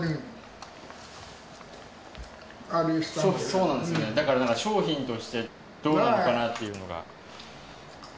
そうなんですねだから商品としてどうなのかなっていうのが。